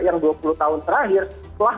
yang dua puluh tahun terakhir telah